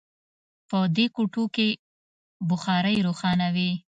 په دې کوټو کې بخارۍ روښانه وي